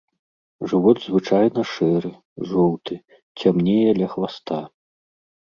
Жывот звычайна шэры, жоўты, цямнее ля хваста.